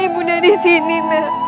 ibu bunda disini nak